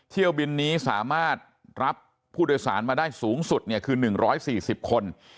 เที่ยวบินนี้สามารถรับผู้โดยสารมาได้สูงสุดคือ๑๔๐คน